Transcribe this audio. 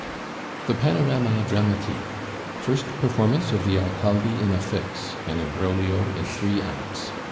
THE PANORAMA DRAMATIQUE. First performance of the Alcalde in a Fix, an imbroglio in three acts.